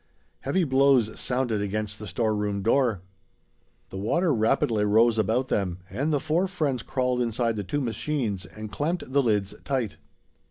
Heavy blows sounded against the storeroom door. The water rapidly rose about them, and the four friends crawled inside the two machines and clamped the lids tight.